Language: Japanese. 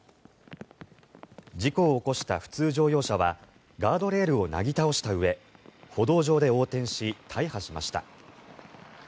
事故を起こした普通乗用車はガードレールをなぎ倒したうえ歩道上で横転し、大破しました。